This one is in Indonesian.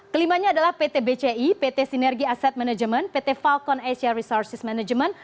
kelimanya adalah pt bci pt sinergi asset management pt falcon asia resources management